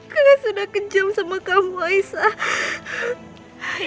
kakak sudah kejam sama kamu aisyah